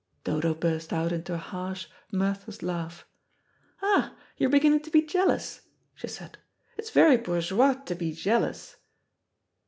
Dodo burst out into a harsh, mirthless laugh. "Ah, you're beginning to be jealous," she said. "It is very bourgeois to be jealous."